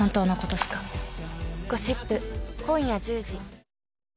今夜１０時。